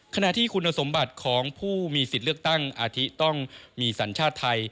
ขณะที่คุณสมบัติของผู้มีสิทธิ์เลือกตั้งอาทิตต้องมีสัญชาติไทย